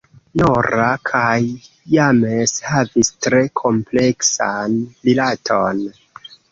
Nora kaj James havis tre kompleksan rilaton.